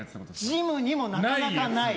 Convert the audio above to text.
ジムにもなかなかない。